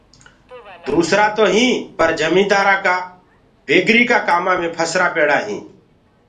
ٻيآ تو هيٚنٚ پر جميدآرآنٚ ڪآ بيگاري ڪآ ڪآمانٚ مي پهسرآ پيڙآ هيٚنٚ۔